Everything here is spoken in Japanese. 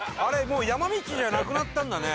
もう山道じゃなくなったんだね。